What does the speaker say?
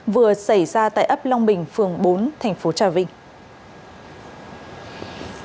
vừa xảy ra tại ấp long bình phường bốn thành phố trà vinh